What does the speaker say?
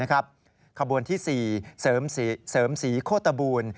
ขบวนที่สี่เสริมศรีโคตบูรณ์